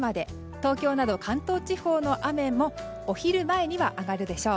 東京など関東地方の雨もお昼前には上がるでしょう。